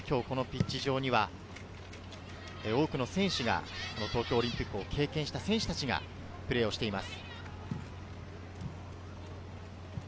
今日、このピッチ上に多くの選手が東京オリンピックを経験した選手たちがプレーしています。